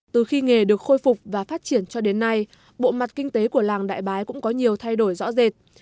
từ khi nghề được khôi phục và phát triển cho đến nay bộ mặt kinh tế của làng đại bái cũng có nhiều thay đổi rõ rệt